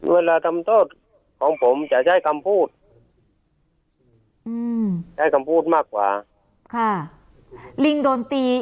เวลาทำโทษของผมจะใช้คำพูดอืมใช้คำพูดมากกว่าค่ะลิงโดนตี